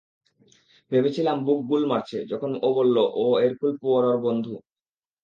ভেবেছিলাম ব্যুক গুল মারছে যখন ও বলল ও এরকুল পোয়ারোর বন্ধু!